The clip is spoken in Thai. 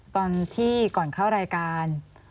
ตอนที่ก่อนเข้ารายการ